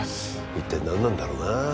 一体何なんだろうな